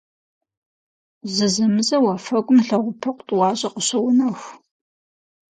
Зэзэмызэ уафэгум лэгъупыкъу тӏуащӏэ къыщоунэху.